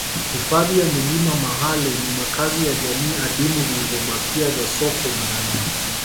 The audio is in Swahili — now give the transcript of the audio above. Hifadhi ya milima Mahale ni makazi ya jamii adimu zilizobakia za sokwe barani Afrika